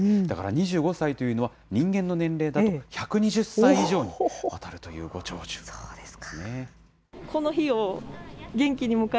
だから２５歳というのは、人間の年齢だと１２０歳以上に当たるというご長寿なんですね。